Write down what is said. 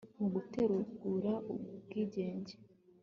mu gutegura ubwigenge